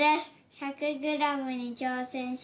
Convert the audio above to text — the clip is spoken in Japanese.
１００グラムにちょうせんします。